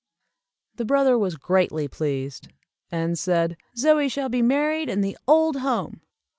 The brother was greatly pleased, and said, "Zoie shall be married in the old home."